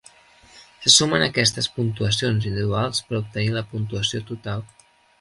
Se sumen aquestes puntuacions individuals per obtenir la puntuació total.